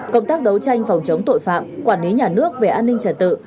công tác đấu tranh phòng chống tội phạm quản lý nhà nước về an ninh trật tự